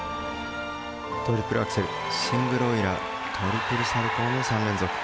トリプルアクセルシングルオイラートリプルサルコウの３連続。